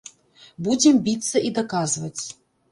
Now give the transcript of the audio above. Будзем біцца і даказваць.